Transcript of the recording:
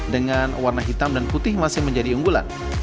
dengan warna hitam dan putih masih menjadi unggulan